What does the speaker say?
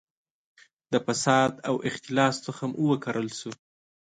د فساد او اختلاس تخم وکرل شو.